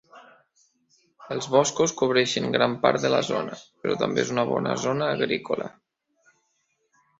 Els boscos cobreixen gran part de la zona, però també és una bona zona agrícola.